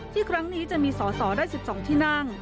ที่ครั้งนี้จะมีสอสอได้๑๒ที่นั่ง